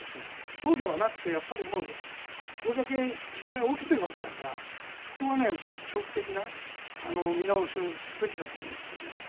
そうではなくて、これだけ実際に起きているわけだからそこは少し長期的な見直しをすべきだと思いますね。